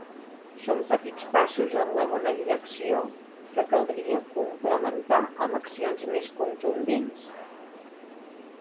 Són petits passos en la bona direcció, que caldria complementar amb accions més contundents.